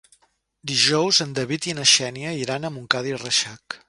Dijous en David i na Xènia iran a Montcada i Reixac.